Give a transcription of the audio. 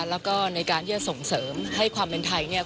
แล้วก็ในการที่จะส่งเสริมให้ความเป็นไทยเนี่ย